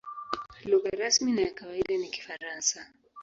Lugha rasmi na ya kawaida ni Kifaransa.